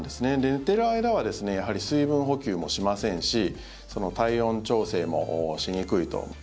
寝ている間はやはり水分補給もしませんし体温調整もしにくいと。